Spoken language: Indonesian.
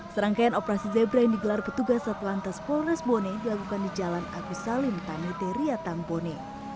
serangkaian operasi zebra yang digelar petugas atlantis polres boni dilakukan di jalan agus salim tani teria tang boni